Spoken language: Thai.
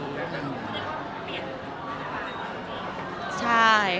แต่พี่ก้าวก็ยังมาดูแลหนู